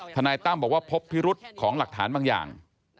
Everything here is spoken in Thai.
นายตั้มบอกว่าพบพิรุษของหลักฐานบางอย่าง